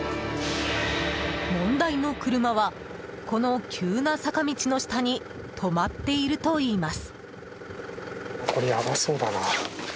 問題の車は、この急な坂道の下に止まっているといいます。